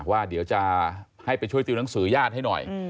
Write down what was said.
ว่าเดี๋ยวจะให้ไปช่วยติวหนังสือญาติให้หน่อย